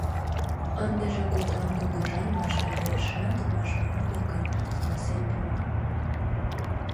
Ындыже коклан кугыжан ваштарешат важмалдыкын каласен пуа.